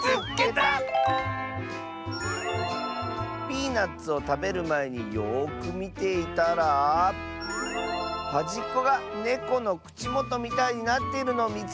「ピーナツをたべるまえによくみていたらはじっこがネコのくちもとみたいになっているのをみつけた！」。